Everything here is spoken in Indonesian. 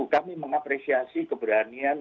kami mengapresiasi keberanian